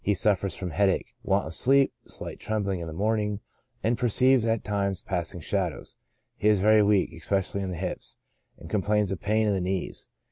He suff'ers from headache, want of sleep, slight trembling in the morning, and perceives, at times, passing shadows. He is very weak, especially in the hips, and complains of pain in the knees.